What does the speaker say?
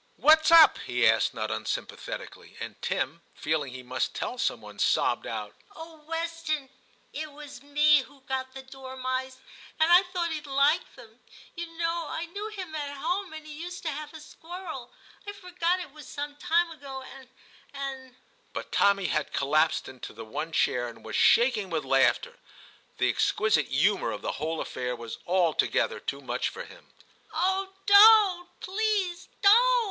* What's up ?* he asked, not unsympathetic ally ; and Tim, feeling he must tell some one, sobbed out —' Oh ! Weston, it was me who got the dormice, and I thought he'd like them ; you know I knew him at home, and he used to have a squirrel ; I forgot it was some time ago — and — ^and —' but Tommy had collapsed into the one chair and was shaking with laughter ; the exquisite humour of the whole affair was altogether too much for him. * Oh, don't, please don't